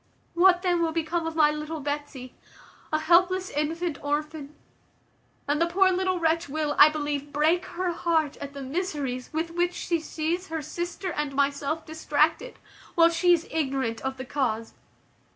What then will become of my little Betsy, a helpless infant orphan? and the poor little wretch will, I believe, break her heart at the miseries with which she sees her sister and myself distracted, while she is ignorant of the cause.